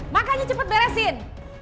makanya cepet beresin